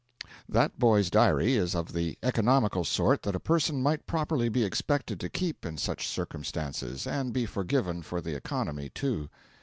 That boy's diary is of the economical sort that a person might properly be expected to keep in such circumstances and be forgiven for the economy, too.